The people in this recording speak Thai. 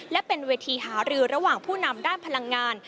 และเป็นเวทีหารือระหว่างผู้นำด้านพลังงาน